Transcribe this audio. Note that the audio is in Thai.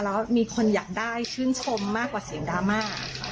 แล้วมีคนอยากได้ชื่นชมมากกว่าเสียงดราม่า